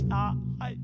はい。